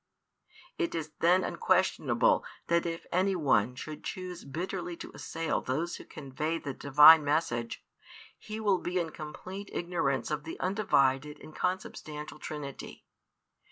It is then unquestionable that if any one should choose bitterly to assail those who convey the Divine message, he will be in complete ignorance of the Undivided and Consubstantial Trinity.